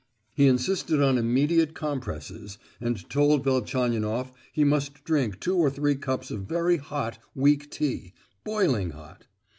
He insisted on immediate compresses, and told Velchaninoff he must drink two or three cups of very hot weak tea—boiling hot.